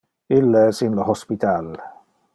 Ille es in le hospital.